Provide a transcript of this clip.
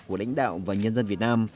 của lãnh đạo và nhân dân việt nam